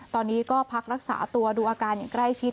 ตอนนี้ก็พักรักษาตัวดูอาการอย่างใกล้ชิด